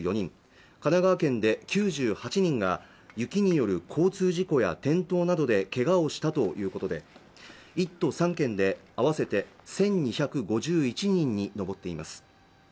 神奈川県で９８人が雪による交通事故や転倒などでけがをしたということで１都３県で合わせて１２５１人に上っています